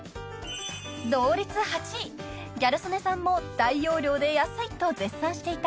［同率８位ギャル曽根さんも大容量で安いと絶賛していた］